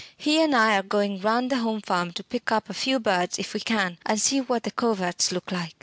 He and I are going round the Home Farm to pick up a few birds if we can, and see what the coverts look like.